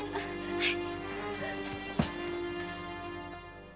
はい。